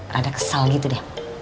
rada kesal gitu deh